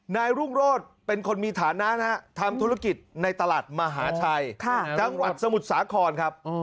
นายรุ่งโรธเป็นคนมีฐานะทำธุรกิจในตลาดมหาชัยจังหวัดสมุทรสาครครับ